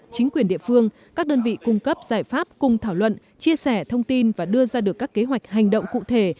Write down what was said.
chính quyền địa phương các đơn vị cung cấp giải pháp cùng thảo luận chia sẻ thông tin và đưa ra được các kế hoạch hành động cụ thể